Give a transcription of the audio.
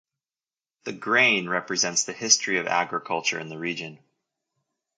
The "grain" represents the history of agriculture in the region.